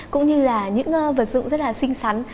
cũng như là những vật dụng rất là xinh xắn